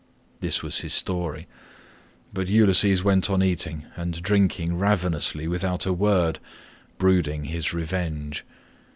This was his story, but Ulysses went on eating and drinking ravenously without a word, brooding his revenge.